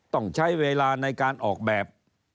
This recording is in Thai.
ต้องใช้เวลาในการออกแบบ